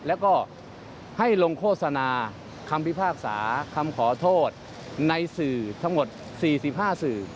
แล้วก็ให้ลงโฆษณาคำพิพากษาคำขอโทษในสื่อทั้งหมด๔๕สื่อ